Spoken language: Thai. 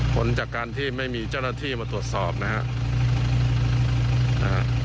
ผลจากการที่ไม่มีเจ้าหน้าที่มาตรวจสอบนะครับ